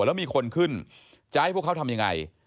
แล้วมีคนขึ้นจะให้พวกเขาทำยังไง